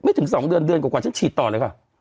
ถึง๒เดือนเดือนกว่าฉันฉีดต่อเลยค่ะ